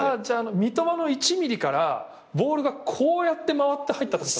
三笘の１ｍｍからボールがこうやって回って入ったって。